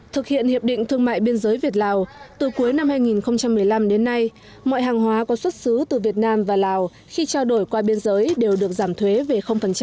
thực hiện hiệp định thương mại biên giới việt lào từ cuối năm hai nghìn một mươi năm đến nay mọi hàng hóa có xuất xứ từ việt nam và lào khi trao đổi qua biên giới đều được giảm thuế về